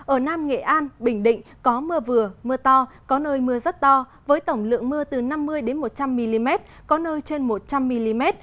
ở nam nghệ an bình định có mưa vừa mưa to có nơi mưa rất to với tổng lượng mưa từ năm mươi một trăm linh mm có nơi trên một trăm linh mm